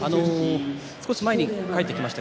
少し前に帰ってきました